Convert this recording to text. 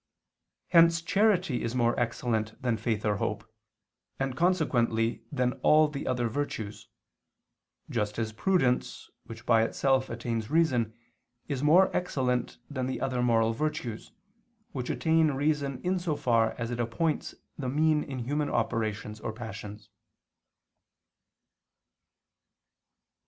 Hence charity is more excellent than faith or hope, and, consequently, than all the other virtues, just as prudence, which by itself attains reason, is more excellent than the other moral virtues, which attain reason in so far as it appoints the mean in human operations or passions.